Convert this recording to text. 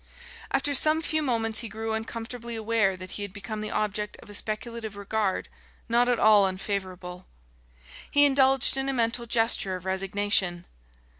After some few moments he grew uncomfortably aware that he had become the object of a speculative regard not at all unfavourable. He indulged in a mental gesture of resignation.